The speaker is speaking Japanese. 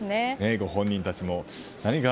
ご本人たちは何を。